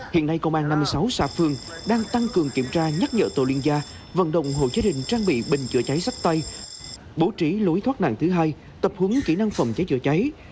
hiện nay công an năm mươi sáu xã phường đang tăng cường kiểm tra nhắc nhở tổ liên gia vận động hộ cháy đình trang bị bình chữa cháy sách tay bổ trí lối thoát nạn thứ hai tập hướng kỹ năng phòng cháy dự cháy